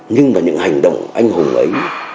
nhưng mà những hành động anh hùng ấy